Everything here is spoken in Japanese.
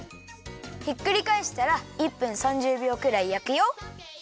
ひっくりかえしたら１分３０びょうくらいやくよ。